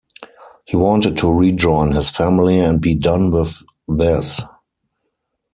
He wanted to rejoin his family and be done with this.